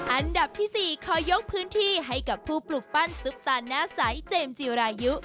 อันดับที่๔ขอยกพื้นที่ให้กับผู้ปลูกปั้นซุปตาหน้าใสเจมส์จีรายุ